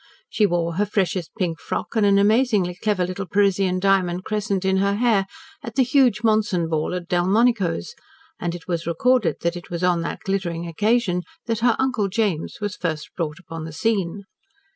She wore her freshest pink frock, and an amazingly clever little Parisian diamond crescent in her hair, at the huge Monson ball at Delmonico's, and it was recorded that it was on that glittering occasion that her "Uncle James" was first brought upon the scene.